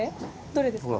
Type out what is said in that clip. どれですか？